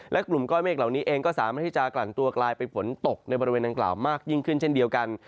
และกลุ่มก้อนเมฆเหล่านี้เองก็สามารถที่จะกลั่นตัวกลายเป็นฝนตกในบริเวณดังกล่าวมากยิ่งขึ้นเช่นเดียวกัน